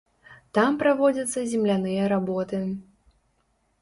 Там праводзяцца земляныя работы.